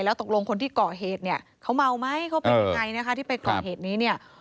ตกลงคนที่ก่อเหตุเนี่ยเขาเมาไหมเขาเป็นยังไงนะคะที่ไปก่อเหตุนี้เนี่ย